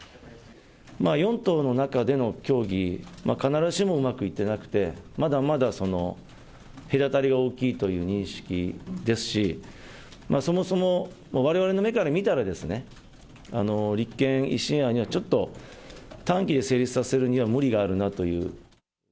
４党の中での協議、必ずしもうまくいってなくて、まだまだ隔たりが大きいという認識ですし、そもそも、われわれの目から見たら、立憲・維新案にはちょっと、短期で成立させるには無理があるなという。